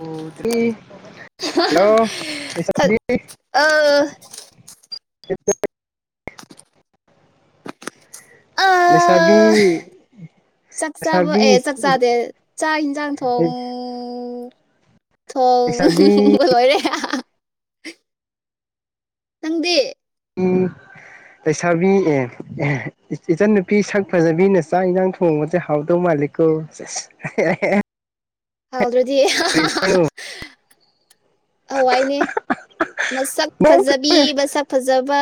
hello ꯂꯩꯁꯥꯕꯤ ꯑ ꯁꯤꯗ ꯑ ꯂꯩꯁꯥꯕꯤ ꯆꯥꯛꯆꯥꯥꯕ ꯂꯩꯁꯥꯕꯤ ꯑꯦ ꯆꯥꯛꯆꯥꯥꯗꯦ ꯆꯥꯛ ꯌꯦꯟꯁꯥꯡ ꯊꯣꯡꯉꯤ ꯊꯣꯡ ꯂꯩꯁꯥꯕꯤ ꯂꯣꯏꯔꯦ ꯆꯪꯗꯦ ꯂꯩꯁꯥꯕꯤ ꯑꯦ ꯏꯆꯟꯅꯨꯄꯤ ꯁꯛ ꯐꯖꯕꯤꯅ ꯆꯥꯛ ꯌꯦꯟꯁꯥꯡ ꯊꯣꯡꯕꯁꯦ ꯍꯥꯎꯗꯧ ꯃꯥꯜꯂꯤꯀꯣ ꯍꯥꯎꯗ꯭ꯔꯗꯤ ꯑꯋꯥꯏꯅꯦ ꯃꯁꯛ ꯐꯖꯕꯤ ꯃꯁꯛ ꯐꯖꯕ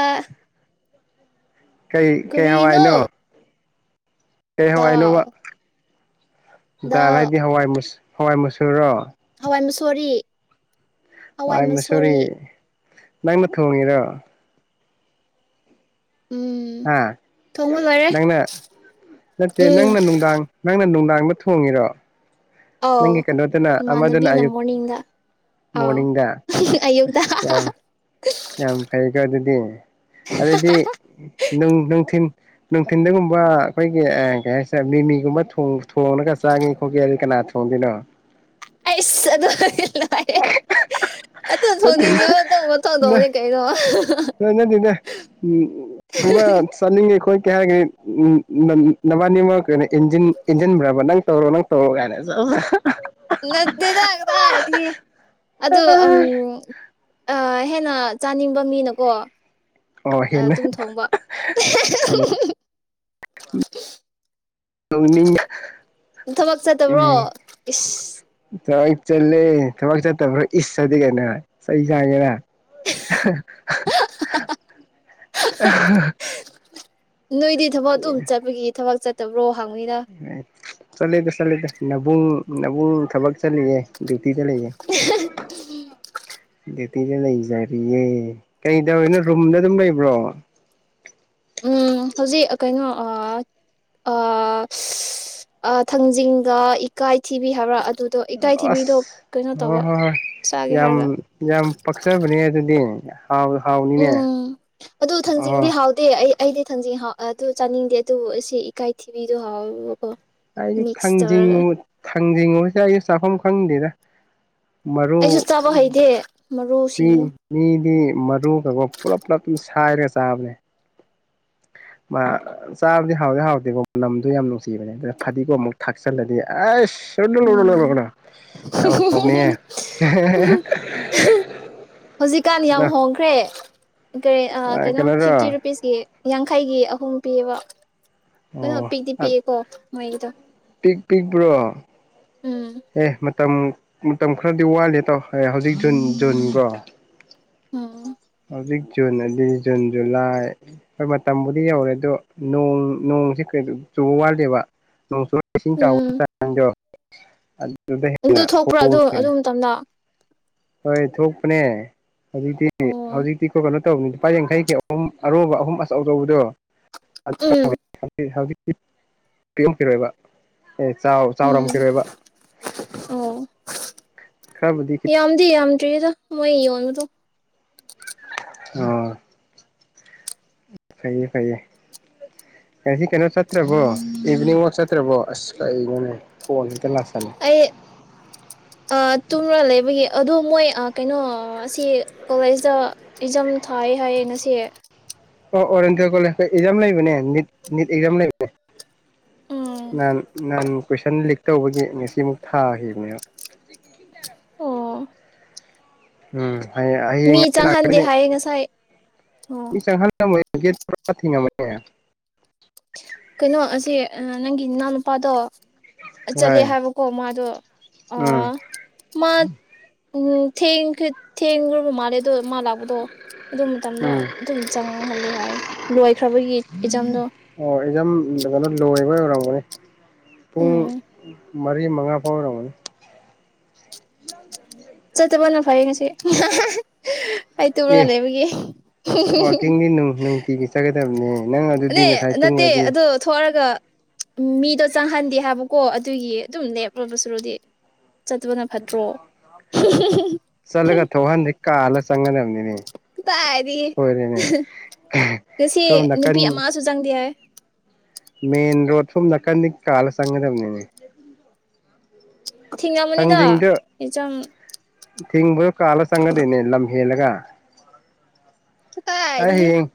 ꯀꯩ ꯀꯩ ꯀꯔꯤꯅꯣ ꯍꯋꯥꯏꯅꯣ ꯑꯦ ꯗꯥꯎ ꯍꯋꯥꯏꯅꯣꯧꯕ ꯗꯥꯎ ꯗꯥꯏꯗꯤ ꯍꯋꯥꯏ ꯃꯨꯁ ꯍꯋꯥꯏ ꯃꯨꯆꯁꯨꯔꯣ ꯍꯋꯥꯏ ꯃꯁꯔꯤ ꯑꯥꯢꯑꯦꯝꯑ ꯁꯣꯔꯤ ꯅꯪꯅ ꯊꯣꯡꯉꯤꯔꯣ ꯎꯝ ꯍꯥ ꯊꯣꯡꯕ ꯂꯣꯏꯔꯦ ꯅꯪꯅ ꯅꯠꯇꯦ ꯎꯝ ꯅꯪꯅ ꯅꯨꯡꯗꯥꯡ ꯅꯪꯅ ꯅꯨꯡꯗꯥꯡ ꯊꯣꯡꯉꯤꯔꯣ ꯑꯥꯎ ꯅꯪꯒꯤ ꯀꯩꯅꯣꯗꯨꯅ ꯑꯃꯗꯨꯅ ꯏꯃꯥꯟꯅꯕꯤꯅ ꯑꯌꯨꯛ ꯃꯣꯔꯅꯤꯡꯗ ꯑꯥꯎ ꯃꯣꯔꯅꯤꯡꯗ ꯑꯌꯨꯛꯇ ꯑꯁ ꯌꯥꯝ ꯌꯥꯝ ꯐꯩꯀꯣ ꯑꯗꯨ ꯗꯤ ꯑꯗꯨꯗꯤ ꯅꯨꯡ ꯅꯨꯡꯊꯤꯟ ꯅꯨꯡꯊꯤꯟꯗꯒꯨꯝꯕ ꯑꯩꯈꯣꯏꯒꯤ ꯀꯩ ꯍꯥꯏꯁꯤꯔꯦ ꯃꯤꯃꯤꯒꯨꯝꯕ ꯊꯣꯡꯉꯒ ꯆꯥꯉ ꯈꯣꯠꯀ ꯑꯗꯨ ꯀꯅꯥꯅ ꯊꯣꯡꯗꯣꯏꯅꯣ ꯑꯩꯁ ꯑꯗꯨꯗ ꯅꯠꯇꯦ ꯊꯣꯡꯅꯤꯡꯅꯦꯕ ꯑꯗꯨꯝ ꯃꯊꯣꯡꯗꯧꯕꯅꯤ ꯀꯩꯅꯣ ꯅꯪ [unintelligible] ꯀꯩ ꯍꯥꯏꯒꯅꯤ ꯅꯕꯥꯅꯤꯃꯛ ꯀꯩꯅꯣ ꯏꯟꯖꯟ ꯏꯟꯖꯟꯕ꯭ꯔꯥꯕ ꯅꯪ ꯇꯧꯔꯣ ꯅꯪ ꯇꯧꯔꯣ ꯀꯥꯏꯅ ꯅꯠꯇꯦꯗ ꯀꯗꯥꯢꯗꯒꯤ ꯑꯗ ꯎꯝ ꯑꯥ ꯍꯦꯟꯅ ꯆꯥꯅꯤꯡꯕ ꯃꯤꯅꯀꯣ ꯑꯣ ꯑ ꯍꯦꯟꯅ ꯗꯨꯝ ꯊꯣꯡꯕ ꯍꯦꯟꯅ [inaudible] ꯇꯧꯅꯤꯡ ꯊꯕꯛ ꯆꯠꯇꯕ꯭ꯔꯣ ꯎꯝ ꯏꯁꯁ ꯊꯕꯛ ꯆꯠꯂꯦ ꯊꯕꯛ ꯆꯠꯇꯕ꯭ꯔꯣ ꯏꯁ ꯑꯗꯤ ꯀꯩꯅꯣ ꯆꯩ ꯆꯥꯒꯦꯔꯥ [inaudible] ꯅꯣꯏꯗꯤ ꯊꯕꯛ ꯑꯗꯨꯝ ꯆꯠꯄꯒꯤ ꯊꯕꯛ ꯆꯠ ꯇ꯭ꯔꯣ ꯑ ꯆꯂꯤꯗ ꯆꯂꯤꯗ ꯅꯕꯨꯡ ꯅꯕꯨꯨꯡ ꯊꯕꯛ ꯆꯠꯂꯤꯌꯦ [unintelligible] ꯊꯤꯗ ꯂꯩꯌꯦ ꯗꯌꯨꯇꯤꯗ ꯂꯩꯖꯔꯤꯌꯦ ꯀꯩ ꯇꯧꯔꯤꯅꯣ ꯔꯨꯝꯗ ꯑꯗꯨꯝ ꯂꯩꯕ꯭ꯔꯣ ꯎꯝ ꯍꯧꯖꯤꯛ ꯀꯩꯅꯣ ꯊꯥꯡꯖꯤꯡꯗ ꯏꯀꯥꯏ ꯊꯤꯕꯤ ꯍꯥꯏꯕ꯭ꯔꯥ ꯑꯗꯨꯗꯣ ꯑꯁ ꯏꯀꯥꯏꯊꯤꯕꯤꯗꯣ ꯀꯩꯅꯣ ꯍ ꯇꯧꯕ ꯍꯣ ꯍꯣꯏ ꯆꯥꯒꯦ ꯌꯥꯝ ꯍꯥꯏꯔꯒ ꯌꯥꯝ ꯄꯥꯛꯆꯥꯕꯅꯤ ꯑꯗꯨꯗꯤ ꯍꯥꯎ ꯍꯥꯎꯅꯤꯅꯦ ꯎꯝ ꯑꯗꯨ ꯑꯣ ꯊꯥꯡꯖꯤꯡꯗꯤ ꯍꯥꯎꯇꯦ ꯑꯩ ꯑꯩꯗꯤ ꯊꯥꯡꯖꯤꯡ ꯑꯗꯨ ꯆꯥꯅꯤꯡꯗꯦ ꯑꯗꯨ ꯑꯁꯤ ꯏꯀꯥꯏ ꯊꯤꯕꯤꯗꯣ ꯍꯥꯎꯋꯦꯕꯀꯣ ꯑꯩꯒꯤ ꯃꯤꯛꯁ ꯇꯧꯔꯒ ꯊꯥꯡꯖꯉ ꯊꯥꯡꯖꯤꯡ [unintelligible] ꯑꯩ ꯆꯥꯐꯝ ꯈꯪꯗꯦꯗ ꯃꯔꯨ ꯑꯩꯁꯨ ꯆꯥꯕ ꯍꯩꯇꯦ ꯃꯤ ꯃꯔꯨꯁꯤꯡꯗꯣ ꯃꯤꯗꯤ ꯃꯔꯨꯒꯒꯨꯝ ꯄꯨꯂꯞ ꯄꯨꯂꯞ ꯑꯗꯨꯝ ꯁꯥꯏꯔꯒ ꯆꯥꯕꯅꯦ ꯃꯥ ꯆꯥꯕꯗꯤ ꯍꯥꯎꯗꯤ ꯍꯥꯎꯗꯦꯀꯣ ꯃꯅꯝꯗꯣ ꯌꯥꯝ ꯅꯨꯡꯁꯤꯕꯅꯦ ꯑꯗꯨꯅ ꯐꯗꯤꯒꯣ ꯑꯃꯨꯛ ꯊꯥꯛꯆꯜꯂꯗꯤ ꯑꯁ ꯆꯗ ꯎꯝ ꯂꯧꯗꯅꯤ ꯍꯧꯖꯤꯛꯀꯥꯟ ꯌꯥꯝ ꯍꯣꯡꯈ꯭ꯔꯦ ꯀꯔꯤ ꯀꯩꯅꯣ ꯐꯤꯐꯇꯤ ꯀꯩꯅꯣꯔꯣ ꯔꯨꯄꯤꯁꯀꯤ ꯌꯥꯡꯈꯩꯒꯤ ꯑꯍꯨꯝ ꯄꯤꯌꯦꯕ ꯀꯩꯅꯣ ꯑꯣ ꯑꯄꯤꯛꯗꯤ ꯄꯤꯌꯦꯀꯣ ꯃꯩꯗꯣ ꯄꯤꯛꯕ꯭ꯔꯣ ꯑꯦꯦ ꯃ ꯃꯇꯝ ꯃꯇꯝ ꯈꯔꯗꯤ ꯋꯥꯠꯂꯦ ꯇꯧ ꯍꯧꯖꯤꯛ ꯖꯨꯟ ꯖꯨꯟꯒꯣ ꯎꯝ ꯍꯧꯖꯤꯛ ꯖꯨꯟ ꯑꯗꯨꯗꯤ ꯖꯨꯟ ꯖꯨꯂꯥꯏ ꯍꯣꯏ ꯃꯇꯝꯕꯨꯗꯤ ꯌꯧꯔꯦ ꯑꯗꯣ ꯅꯣꯡ ꯅꯣꯡꯁꯤ ꯀ ꯆꯨꯕ ꯋꯥꯠꯂꯦꯕꯣꯡ ꯆ ꯎꯝ ꯗꯣ ꯑꯗꯨ ꯑꯗꯨ ꯊꯣꯛꯄ꯭ꯔꯣ ꯑꯗꯨ ꯑꯗꯨ ꯃꯇꯝꯗ ꯍꯣꯏ ꯊꯣꯛꯄꯅꯦ ꯍꯧꯖꯤꯛꯇ ꯑꯣ ꯍꯧꯖꯤꯛꯇꯤ ꯀꯣꯀꯅ ꯇꯧꯕꯅꯤ ꯂꯨꯄꯥ ꯌꯥꯡꯈꯩꯒꯤ ꯑꯍꯨꯝ ꯑꯔꯨꯕ ꯑꯍꯨꯝ ꯑꯆꯧꯆꯧꯕꯗꯣ ꯎꯝ ꯄꯤ ꯑꯦꯝꯀꯤꯔꯣꯏꯕ ꯑꯦ ꯎꯝ ꯆꯥꯎꯔꯝꯈꯤꯔꯣꯏꯕ ꯑꯣ ꯈꯔꯕꯨꯗꯤ ꯈꯤ ꯔꯤꯗ ꯃꯏ ꯑꯣ ꯇ ꯑꯣ ꯐꯩꯌꯦ ꯐꯩꯌꯦ ꯉꯁꯤ ꯀꯩꯅꯣ ꯆꯠꯇ꯭ꯔꯕꯣ ꯏꯚꯤꯅꯤꯡ ꯋꯥꯛ ꯆꯠꯇ꯭ꯔꯕꯣ ꯑꯁ ꯀꯩꯅꯣꯅꯦ ꯐꯣꯟ ꯇꯂꯥꯁꯅꯤ ꯇꯨꯝ꯭ꯔꯥ ꯂꯩꯕꯒꯤ ꯑꯗꯣ ꯃꯣꯏ ꯀꯩꯅꯣ ꯑꯁꯤ ꯀꯣꯂꯦꯖꯇ ꯑꯦꯛꯖꯝ ꯊꯥꯏ ꯍꯥꯏꯌꯦ ꯉꯁꯤ ꯑꯣꯔꯟꯒ ꯀꯣꯦꯖ ꯑꯦꯛꯖꯝ ꯂꯩꯕꯅꯦꯠꯅꯤꯠ ꯑꯦꯛꯖꯥꯝ ꯂꯩꯕꯅꯦ ꯎꯝ ꯃ ꯅ ꯀꯣꯏꯁꯟ ꯂꯤꯛ ꯇꯧꯕꯒꯤ ꯉꯁꯤꯃꯨꯛ ꯊꯥꯈꯤꯕꯅꯦ ꯑꯣ ꯎꯝ ꯍꯌꯦꯡ ꯃꯤ ꯍꯌꯦꯡ ꯑꯩ ꯆꯪꯍꯟꯗꯦ ꯂꯥꯛꯀꯅꯤ ꯍꯥꯏꯌꯦ ꯉꯁꯥꯏ ꯑꯣ ꯊ ꯊꯦꯡꯉ ꯃꯉ ꯀꯩꯅꯣ ꯑꯁꯤ ꯅꯪꯒꯤ ꯏꯅꯥꯎ ꯅꯨꯨꯄꯥꯗꯣ ꯆꯠꯂꯦ ꯍꯣꯏ ꯍꯥꯏꯕꯀꯣ ꯃꯥꯗꯣ ꯑ ꯎꯝ ꯃꯥ ꯎꯝ ꯊꯦꯡꯈ ꯊꯦꯡꯈ꯭ꯔꯕ ꯃꯥꯜꯂꯦ ꯑꯗꯣ ꯃꯥ ꯂꯥꯛꯄꯗꯣ ꯑꯗꯨ ꯃꯇꯝꯗꯣ ꯎꯝ ꯑꯗꯨꯝ ꯆꯪꯍꯂ ꯍꯥꯏ ꯂꯣꯏꯈ꯭ꯔꯕꯒꯤ ꯏꯖꯝꯗꯣ ꯑꯣ ꯑꯦꯛꯖꯥꯝ ꯀꯩꯅꯣ ꯂꯣꯏꯕ ꯑꯣꯏꯔꯝꯒꯅꯤ ꯄꯨꯡ ꯎꯝ ꯃꯔꯤ ꯃꯉꯥ ꯐꯥꯎꯔꯝꯃꯅꯤ ꯆꯠꯇꯕꯅ ꯐꯩꯡꯁꯤ ꯑꯩ ꯑꯦ ꯇꯨꯝꯨꯔꯒ ꯂꯩꯕꯒꯤ ꯋꯥꯛꯀꯤꯡꯗꯤ ꯅꯨꯡ ꯅꯨꯡꯇꯤꯒꯤ ꯆꯠꯀꯗꯕꯅꯦ ꯅꯪ ꯑꯗꯨꯗꯤ ꯅꯅꯦ ꯉꯁꯥꯏ ꯅꯠꯇꯦ ꯇꯨꯝꯒ꯭ꯔꯗꯤ ꯑꯗꯨ ꯊꯔꯒ ꯃꯤꯗꯣ ꯆꯪꯍꯟꯗꯦ ꯍꯥꯏꯕꯀꯣ ꯑꯗꯨꯒꯤ ꯑꯗꯨꯝ ꯂꯦꯞꯂꯕ ꯁꯨꯔꯨꯗꯤ ꯆꯠꯇꯄꯅ ꯐꯠꯇ꯭ꯔꯣ ꯆꯂꯒ ꯊꯧꯍ ꯅ ꯀꯥ ꯑꯂ ꯆꯪꯒ ꯅꯅꯦ ꯇ ꯍꯥꯏꯗꯤ ꯉꯁꯤ ꯁꯣꯝ ꯅꯨꯄꯤ ꯑꯃꯁꯨ ꯆꯪꯗꯦ ꯍꯥꯏ ꯃꯟ ꯔꯣꯗ ꯁꯨꯝ ꯅꯥꯀꯥꯟꯅꯤ ꯀꯥꯂ ꯆꯪꯒꯗꯕꯅꯤꯅꯦ ꯊꯤꯉ ꯃꯅꯤꯗ ꯑꯦꯆꯝ ꯊꯤꯡꯕ ꯀꯥꯜꯂ ꯆꯪꯉꯗꯤꯣꯏꯅꯦ ꯂꯝ ꯍꯦꯜꯂꯒ ꯀꯥꯏ ꯑꯩ ꯍꯥꯏꯗꯤ ꯍꯌꯦꯡ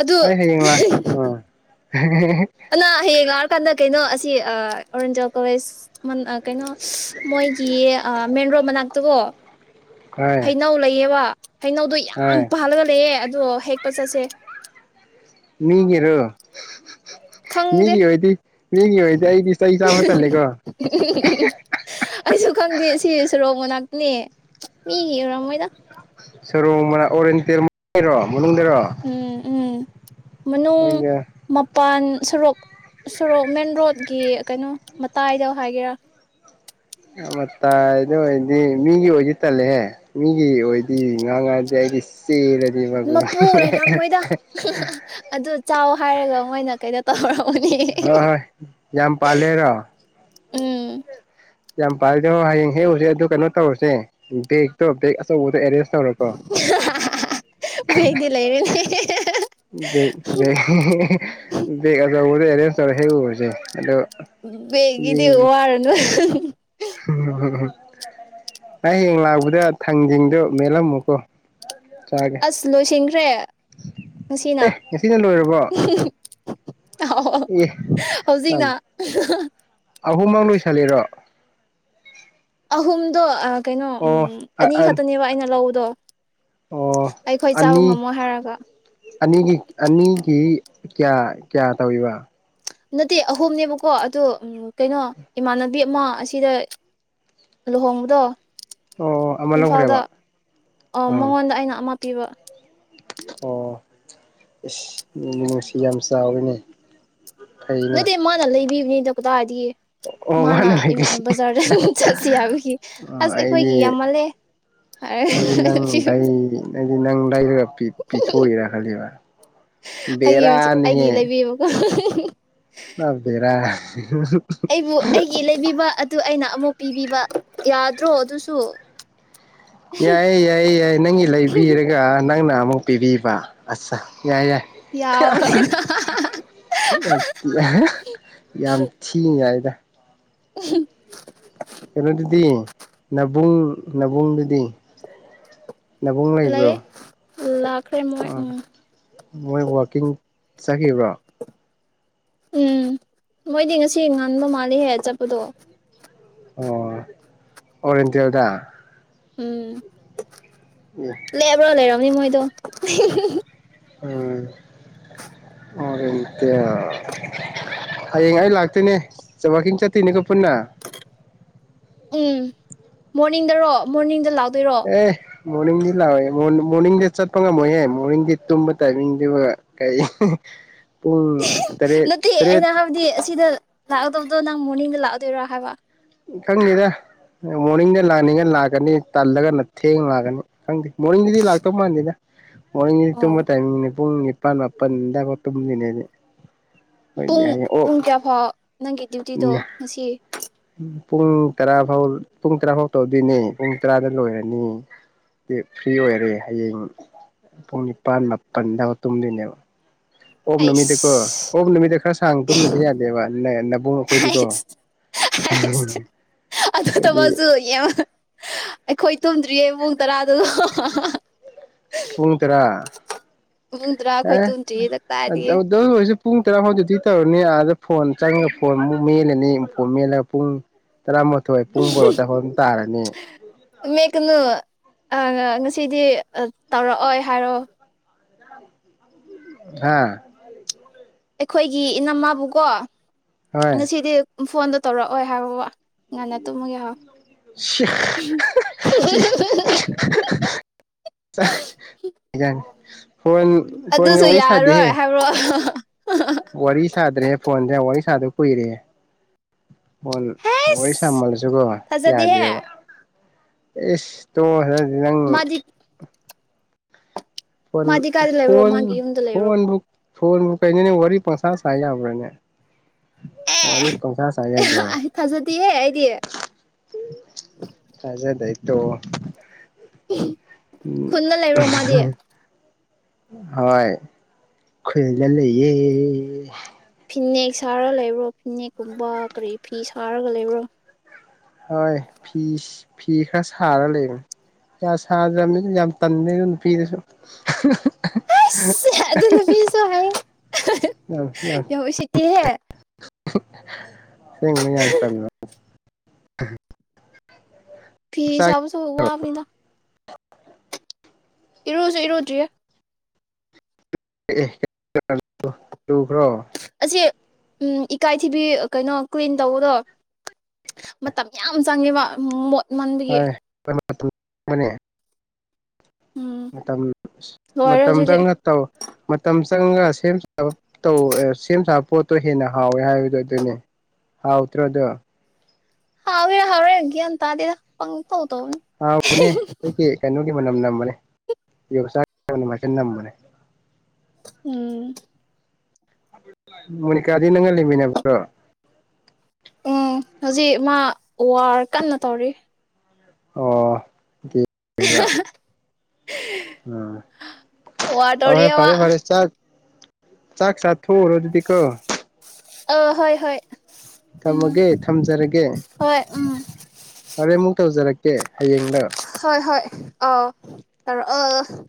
ꯑꯗꯨ ꯑꯩ ꯍꯌꯦꯡ ꯂꯥꯛ ꯑꯥ ꯑꯅꯥ ꯍꯦꯒ ꯀꯥꯟꯗ ꯀꯩꯅꯣ ꯑꯁꯤ ꯑꯣꯔꯦꯟꯖꯦꯜ ꯀꯣꯂꯦꯖ ꯀꯩꯅꯣ ꯃꯣꯏꯒꯤ ꯃꯦꯟ ꯔꯣꯗ ꯃꯅꯥꯛꯇꯀꯣ ꯍꯣꯏ ꯍꯩꯅꯧ ꯂꯩꯌꯦꯕ ꯍꯩꯅꯧꯗꯣ ꯌꯥꯝ ꯍꯣꯏ ꯄꯥꯜꯂꯒ ꯂꯩꯑꯦ ꯑꯣ ꯍꯦꯛ ꯄ ꯆꯁꯦ ꯃꯤꯒꯔꯣ ꯈꯪꯗꯦ ꯃꯤꯒꯤ ꯑꯣꯏꯗꯤ ꯃꯤꯒꯤ ꯑꯣꯏꯗꯤ ꯑꯩꯗꯤ ꯏꯁꯩ ꯆꯥꯕ ꯊꯜꯂꯦꯀꯣ ꯑꯩꯁꯨ ꯈꯪꯗꯦ ꯁꯤ ꯁꯣꯔꯣꯛ ꯃꯅꯥꯛꯅꯦ ꯃꯤ ꯌꯨꯔꯝꯃꯣꯏꯗ ꯁꯔꯣ ꯃ ꯑꯣꯔꯦꯟ ꯇꯔꯔꯣ ꯎꯝ ꯎꯝ ꯃꯅꯨꯡ ꯃꯄꯥꯟ ꯁꯣꯔꯣꯛ ꯁꯣꯔꯣꯛ ꯃꯦꯟ ꯔꯣꯗꯀꯤ ꯀꯩꯅꯣ ꯃꯇꯥꯏꯗ ꯍꯥꯏꯒꯦꯔꯥ ꯃꯇꯥꯏꯗ ꯑꯣꯏꯔꯗꯤ ꯃꯤꯒꯤ ꯑꯣꯏꯗꯤ ꯇꯜꯂꯦꯍꯦ ꯃꯤꯒꯤ ꯑꯣꯏꯗꯤ ꯉꯥꯡꯉꯗꯗꯤ ꯑꯩꯗꯤ ꯆꯦꯜꯂꯗꯤ ꯃꯒꯨ ꯃꯄꯨ ꯂꯩꯅ ꯃꯣꯏꯗ ꯑꯗꯨ ꯆꯥꯎ ꯍꯥꯏꯔꯒ ꯃꯣꯏꯅ ꯀꯩꯅꯣ ꯇꯧꯔꯣ ꯍꯣꯏ ꯍꯣꯏ ꯌꯥꯝ ꯄꯂꯦꯔꯣ ꯎꯝ ꯌꯥꯝ ꯄꯥꯔꯗ ꯍ ꯍꯌꯦꯡ ꯍꯦꯛꯎꯨꯁꯦ ꯑꯗꯨ ꯀꯩꯅꯣ ꯇꯧꯔꯨꯁꯦ ꯕꯦꯛꯇꯣ ꯕꯦꯒ ꯑꯆꯧꯕꯗꯣ ꯑꯦꯔꯦꯁ ꯇꯧꯔꯣꯀꯣꯒ ꯕꯦꯒꯗꯤ ꯂꯩꯔꯅꯤ [unintelligible] ꯍꯦꯛ ꯎꯔꯁꯦ ꯑꯗꯣ ꯕꯦꯡꯒꯤꯗꯤ ꯋꯥꯔꯨꯅꯨ ꯍꯨꯝ ꯍꯨꯝ ꯍꯨꯝ ꯍꯨꯝ ꯑꯩ ꯍꯌꯦꯡ ꯂꯥꯛꯄꯗ ꯊꯥꯡꯖꯤꯡꯗꯣ ꯃꯦꯂꯝꯃꯨꯀꯣ ꯆꯥꯒꯦ ꯑꯁ ꯂꯣꯏꯁꯤꯟꯈ꯭ꯔꯦ ꯉꯁꯤꯅ ꯑꯦ ꯉꯁꯤꯅ ꯂꯣꯏꯔꯕꯣ ꯑꯦ ꯍꯧꯖꯤꯛꯅ ꯑꯍꯨꯝ ꯃ ꯂꯣꯏꯁꯜꯂꯤꯔꯣ ꯑꯍꯨꯝꯗꯣ ꯑ ꯀꯩꯅꯣ ꯑꯣ ꯎꯝ ꯑꯅꯤ ꯈꯠꯇꯅꯦꯕ ꯑꯩꯅ ꯂꯧꯕꯗꯣ ꯑꯣ ꯑꯩꯈꯣꯏ ꯆꯥꯕ ꯑꯅꯤ ꯉꯝꯃꯣꯏ ꯍꯥꯏꯔꯒ ꯑꯅꯤꯒꯤ ꯑꯅꯤ ꯀꯤꯏ ꯀꯌꯥ ꯀꯌꯥ ꯇꯧꯏꯕ ꯅꯠꯇꯦ ꯑꯍꯨꯝꯅꯦꯕꯀꯣ ꯑꯗꯨ ꯎꯝ ꯀꯩꯅꯣ ꯏꯃꯥꯟꯅꯕꯤ ꯑꯃ ꯑꯁꯤꯗ ꯂꯣꯍꯣꯡꯕꯗꯣ ꯑꯣ ꯑꯃ ꯏꯝꯐꯥꯜꯗ ꯂꯧꯈ꯭ꯔꯦꯕ ꯑ ꯑꯥ ꯃꯉꯣꯟꯗ ꯑꯩꯅ ꯑꯃ ꯄꯤꯕ ꯑꯣ ꯏꯁ ꯅꯨꯃꯨ ꯅꯨꯡꯁꯤ ꯌꯥꯝ ꯆꯥꯎꯋꯤꯅꯦ ꯐꯩꯅꯦ ꯅꯠꯇꯦ ꯃꯥꯅ ꯂꯩꯕꯤꯕꯅꯤꯗ ꯀꯗꯥꯏꯗꯤ ꯑꯣ ꯃꯥꯅ ꯏꯝ ꯑ ꯂꯩꯔꯤꯁꯦ ꯕꯖꯥꯔꯗ ꯆꯠꯁꯤ ꯍꯥꯏꯕꯒꯤ ꯑꯁ ꯑꯣ ꯑꯩꯈꯣꯏꯒꯤ ꯑꯩꯗꯤ ꯌꯥꯝꯃꯜꯂꯦ ꯑꯩꯗꯤ ꯅꯪ ꯍꯥꯏꯔꯒ [unintelligible] ꯂꯩ ꯑꯩꯗꯤ ꯅꯪ ꯂꯩꯔꯞ ꯄꯤ ꯄꯤꯊꯣꯏꯔ ꯈꯂꯤꯕ ꯑꯩꯒꯤ ꯔꯥꯅꯤꯍꯦ ꯂꯩꯕꯤꯕꯀꯣ ꯅꯕꯦꯔ ꯍ ꯑꯩꯕꯨ ꯑꯩꯒꯤ ꯂꯩꯕꯤꯕ ꯑꯠ ꯗꯨ ꯑꯩꯅ ꯑꯃꯨꯛ ꯄꯤꯕꯤꯕ ꯌꯥꯗ꯭ꯔꯣ ꯑꯗꯨꯁꯨ ꯌꯥꯏꯌꯦ ꯌꯥꯏꯌꯦ ꯌꯥꯏ ꯅꯪꯒꯤ ꯂꯩꯕꯤꯔꯒ ꯅꯪꯅ ꯃꯨꯛ ꯄꯤꯕꯤꯕ ꯑꯠꯁꯥ ꯌꯥꯏ ꯌꯥ ꯌꯥꯕꯅꯤꯅ ꯌꯥꯝ ꯌꯥ ꯌꯥꯝ ꯊꯤ ꯌꯥꯏꯗ ꯎꯍꯨꯝ ꯀꯩꯅꯣꯗꯨꯗꯤ ꯅꯕꯨꯡ ꯅꯕꯨꯡꯗꯨꯗꯤ ꯅꯕꯨꯡ ꯂꯩꯕ꯭ꯔꯣ ꯂꯩꯥꯏꯌꯦ ꯂꯥꯛꯈ꯭ꯔꯦ ꯃꯣꯏ ꯑꯣ ꯎꯝ ꯃꯣꯏ ꯋꯥꯀꯤꯡ ꯆꯈꯤꯕ꯭ꯔꯣ ꯎꯝ ꯃꯣꯏꯗꯤ ꯉꯁꯤ ꯉꯥꯟꯕ ꯃꯥꯜꯂꯤꯍꯦ ꯆꯠꯄꯗꯣ ꯑꯣ ꯑꯣꯔꯦꯟꯗꯤꯌꯣꯗ ꯎꯝ ꯂꯦꯕ꯭ꯔꯣ ꯂꯩꯔ [unintelligible] ꯃꯣꯏꯗꯣ ꯎꯝ ꯑꯔꯦꯟꯇꯤꯌꯥ ꯍꯌꯦꯡ ꯑꯩ ꯂꯥꯛꯇꯨꯏꯅꯦ ꯆꯥꯛꯀꯤꯡ ꯆꯠꯇꯨꯏꯅꯤꯀꯣ ꯄꯨꯟꯅ ꯎꯝ ꯃꯣꯔꯅꯤꯡꯗꯔꯣ ꯃꯣꯔꯅꯤꯡꯗ ꯂꯥꯛ ꯑꯦ ꯃꯣꯔꯅꯤꯡꯗꯤ ꯂꯥꯛꯑꯣꯦ ꯃꯣꯔꯅꯤꯡꯗꯤ ꯆꯠꯄ ꯉꯝꯃꯣꯏꯍꯦ ꯃꯣꯔꯅꯤꯡꯗꯤ ꯇꯨꯝꯕ ꯇꯥꯏꯃꯤꯡꯗꯨ ꯀꯩ ꯄꯨꯡ ꯇꯔꯦꯠ ꯅꯠꯇꯦ ꯇꯔꯦꯠ ꯑꯩꯅ ꯍꯥꯏꯕꯗꯤ ꯑꯁꯤꯗ ꯂꯥꯛ ꯗꯣ ꯅꯪ ꯃꯣꯔꯅꯤꯡꯗ ꯂꯥꯛꯑꯗꯣꯏꯔꯥ ꯍꯥꯏꯕ ꯈꯪꯗꯦꯗ ꯃꯣꯔꯅꯤꯡꯗ ꯂꯥꯛꯅꯤꯡꯉ ꯂꯥꯛꯀꯅꯤ ꯇꯜꯂꯒꯅ ꯊꯦꯡꯅ ꯂꯥꯛꯀꯅꯤ ꯈꯪꯗꯦ ꯃꯣꯔꯅꯤꯡꯒꯤꯗꯤ ꯂꯥꯛꯇꯧ ꯃꯥꯥꯟꯗꯅ ꯃꯅꯤꯡꯗꯤ ꯑꯣ ꯇꯨꯝꯝꯕ ꯇꯥꯏꯃꯤꯡꯅꯦ ꯄꯨꯡꯒꯤ ꯄꯄꯥꯥꯟ ꯃꯄꯟ ꯏꯟ ꯀꯇꯅꯤꯅꯦꯦ ꯄꯨꯡ ꯄꯨꯡ ꯀꯌꯥ ꯐꯥꯎ ꯅꯪꯒꯤ ꯗ꯭ꯌꯨꯇꯤꯗꯣ ꯉꯁꯤ ꯄꯨꯡ ꯇꯔꯥ ꯐꯥꯎ ꯄꯨꯡ ꯇꯔꯥ ꯐꯥꯎ ꯇꯧꯗꯣꯏꯅꯦ ꯄꯨꯡ ꯇꯔꯥꯗ ꯂꯣꯏꯔꯅꯤ ꯐ꯭ꯔꯤ ꯑꯣꯏꯔꯦ ꯍꯌꯦꯡ ꯄꯨꯡ ꯅꯤꯄꯥꯜ ꯃꯥꯄꯜꯗꯥꯎ ꯇꯨꯝꯗꯣꯏꯅꯦꯕ ꯑꯣꯝ ꯅꯨꯃꯤꯠꯇꯀꯣ ꯑꯩꯁ ꯑꯣꯝ ꯅꯨꯃꯤꯠꯇ ꯈꯔ ꯁꯥꯡ ꯇꯨꯝꯗꯗꯤ ꯌꯥꯗꯦꯕ ꯅꯕꯨꯡ ꯑꯩꯈꯣꯏꯗꯤꯀꯣ ꯑꯩꯁ ꯑꯩꯁ ꯑꯗꯨ ꯍꯥꯏꯗꯤ ꯊꯕꯛꯁꯨ ꯌꯥꯝ ꯑꯩꯈꯣꯏ ꯇꯨꯝꯗ꯭ꯔꯤꯌꯦ ꯏꯕꯨꯡ ꯇꯔꯥꯗꯨꯗꯣ ꯄꯨꯡꯉ ꯇꯔꯥ ꯃꯨꯡꯗ꯭ꯔꯥ ꯑꯩꯈꯣꯏ ꯑꯦ ꯇꯨꯗ꯭ꯔꯤ ꯍꯤꯗꯛ ꯇꯥꯔꯗꯤ ꯑꯗꯨ ꯑꯣꯏꯔꯁꯨ ꯄꯨꯡ ꯇꯔꯥ ꯐꯥꯎꯗꯤ ꯇꯧꯔꯅꯤ ꯑꯥꯗ ꯐꯣꯟ ꯆꯪꯉ ꯐꯣꯟ ꯑꯃꯨꯛ ꯃꯦꯜꯂꯅꯤ ꯐꯣꯟ ꯃꯦꯜꯂꯒ ꯄꯨꯡ ꯇꯔꯥꯃꯥꯊꯣꯏ ꯄꯨꯡ ꯕꯣꯔꯣ ꯇꯍꯟ ꯇꯥꯔꯅꯤ ꯃꯦꯠꯀꯅꯨ ꯑ ꯉꯁꯤꯗꯤ ꯇꯧꯔꯛꯑꯣꯏ ꯍꯥꯏꯔꯣꯑꯣ ꯍꯥꯥ ꯑꯩꯈꯣꯏꯒꯤ ꯏꯅꯝꯃꯥꯕꯨꯀꯣ ꯍꯣꯏ ꯉꯁꯤꯗꯤ ꯐꯣꯟꯗꯣ ꯇꯧꯔꯛꯑꯣꯏ ꯍꯥꯏꯕ ꯉꯟꯅ ꯇꯨꯝꯃꯒꯦ ꯍꯥꯏꯥꯎ ꯌꯥꯅꯤ ꯎꯝ ꯐꯣꯟ ꯐꯣꯟꯒ ꯑꯗꯨꯁꯨ ꯋꯥꯔꯤ ꯁꯥꯗꯦꯍꯦ ꯌꯥꯔꯔꯣꯏ ꯍꯥꯏꯕ꯭ꯔꯣ ꯋꯥꯔꯤ ꯁꯥꯗ꯭ꯔꯦꯍꯦ ꯐꯣꯟꯁꯦ ꯋꯥꯔꯤ ꯁꯥꯗ ꯑꯣꯏꯣꯏꯔꯦ ꯍꯣꯟ ꯂꯣꯏ ꯑꯩꯁ ꯁꯝꯃꯜꯂꯁꯨꯀꯣ ꯊꯥꯖꯗꯦꯍꯦ ꯌꯥꯗꯦꯕ ꯏꯁꯇꯣ ꯍ ꯁꯤꯪ ꯃꯥꯗꯤ ꯐꯣꯟ ꯃꯥꯗꯤ ꯀꯥꯏꯗ ꯂꯩꯕ꯭ꯔꯣ ꯐꯣꯟ ꯃꯥꯒꯤ ꯌꯨꯝꯗ ꯂꯩꯕ꯭ꯔꯣ ꯐꯣꯟꯣꯟ ꯐꯣꯟꯕꯨ ꯀꯩꯩꯅꯅꯦ ꯋꯥꯔꯤ ꯄꯁꯥ ꯁꯕ꯭ꯔꯦꯅꯦ ꯋꯥꯔꯤ ꯄꯥꯡꯁꯥ ꯁꯥꯌꯥꯗꯦ ꯗꯤ ꯥꯗꯩꯇꯣ ꯎꯝꯍꯝ ꯈꯨꯟꯅ ꯂꯩꯔꯣ ꯃꯥꯗꯤ ꯍꯣꯏ ꯈꯜꯅ ꯂꯩꯌꯦ ꯐꯤꯅꯦꯛ ꯁꯥꯔꯒ ꯂꯩꯕ꯭ꯔꯣ ꯐꯤꯅꯦꯛꯀꯨꯝꯕ ꯀꯔꯤ ꯐꯤ ꯁꯥꯔꯒ ꯂꯩꯕ꯭ꯔꯣ ꯍꯣꯏ ꯐꯤ ꯁꯤ ꯐꯤ ꯈꯔ ꯁꯥꯔ ꯂꯩꯕꯅꯤ ꯀꯌꯥ ꯁꯥꯗ꯭ꯔꯕꯅꯤꯅ ꯌꯥꯝ ꯇꯟꯕꯩ ꯅꯨꯄꯤꯗꯁꯨ ꯑꯁ ꯑꯗꯨ ꯅꯨꯄꯤꯁꯨ ꯍꯩ ꯌꯥꯝ ꯎꯁꯤꯠꯇꯤꯍꯦ ꯎꯍꯝ ꯁꯦꯡꯕꯩ ꯌꯥꯝ ꯇꯟꯕꯔꯥ ꯑꯍ ꯐꯤ ꯆꯕꯁꯨ ꯋꯥꯕꯅꯖ [unintelligible] ꯏꯔꯨꯁꯨ ꯏꯔꯨꯗꯔꯤꯌꯦ ꯑꯦ ꯂꯨꯈ꯭ꯔꯣ ꯑꯁꯤ ꯎꯝ ꯏꯀꯥꯏꯊꯤꯕꯤ ꯀꯩꯅꯣ ꯀ꯭ꯌꯨꯏꯟ ꯇꯧꯕꯗꯣ ꯃꯇꯝ ꯌꯥꯝ ꯆꯪꯉꯦꯕꯣ ꯃꯟꯕꯒꯤ ꯍꯣꯏ ꯃꯇꯝ ꯃꯅꯦ ꯎꯝ ꯃꯇꯝ ꯂꯣꯏꯔꯦ ꯍꯧꯖꯤꯛꯇꯤ ꯃꯇꯝꯗꯪ ꯅꯠꯇꯕ ꯃꯇꯝ ꯆꯪꯉ ꯁꯦꯝ ꯁꯥꯕ ꯇꯧ ꯑ ꯁꯦꯝ ꯁꯥ ꯄꯣꯠꯇꯣ ꯍꯦꯟꯅ ꯍꯥꯎꯋꯦ ꯍꯥꯏꯒꯗꯗꯅꯦ ꯍꯥꯎꯇ꯭ꯔꯥꯗꯥ ꯍꯥꯎꯏ ꯍꯥꯎꯔꯦꯟ ꯒꯌꯥꯟ ꯇꯥꯗꯦꯗ ꯄꯡ ꯍꯥꯎꯕꯅꯦ ꯈꯣꯏꯒꯤ ꯀꯩꯅꯦꯒꯤ ꯃꯅꯝ ꯅꯝꯕꯅꯦ ꯌꯣꯡꯆꯥꯛ ꯃꯅꯝ ꯑꯥꯛꯇ ꯅꯝꯕꯅꯦ ꯎꯝ ꯃꯣꯅꯤꯀꯥꯗꯤ ꯅꯪꯒ ꯂꯩꯃꯤꯟꯅꯕ꯭ꯔꯣ ꯎꯝ ꯍꯧꯖꯤꯛ ꯃꯥ ꯋꯥꯔ ꯀꯟꯅ ꯇꯧꯔꯤ ꯑꯣ ꯗꯤ ꯂꯤꯕ ꯋꯥꯔ ꯎ ꯑꯣꯏ ꯇꯧꯔꯤꯌꯦ ꯃꯥ ꯐꯔꯦ ꯐꯔꯦ ꯆꯥꯛ ꯆꯥꯛ ꯁꯥ ꯊꯣꯎꯔꯣ ꯑꯗꯨꯗꯤ ꯀꯣ ꯑ ꯍꯣꯏ ꯍꯣꯏ ꯎꯝ ꯊꯝꯃꯒꯦ ꯊꯝꯖꯔꯒꯦ ꯍꯣꯏ ꯎꯝ ꯍꯣꯔꯦ ꯑꯃꯨꯛ ꯇꯧꯖꯔꯛꯀꯦ ꯍꯌꯦꯡꯂ ꯍꯣꯏ ꯍꯣꯏ ꯑꯧ ꯇꯧꯔꯛꯑꯣ